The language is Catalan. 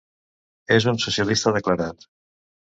És un socialista declarat.